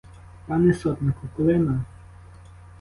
Пане сотнику, коли на.